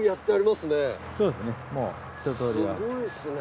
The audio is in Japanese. すごいっすね。